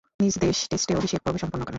নিজ দেশে টেস্টে অভিষেক পর্ব সম্পন্ন করেন।